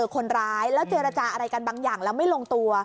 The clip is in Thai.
คนร้ายแล้วเจรจาอะไรกันบางอย่างแล้วไม่ลงตัว